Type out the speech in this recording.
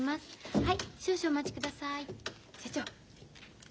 はい。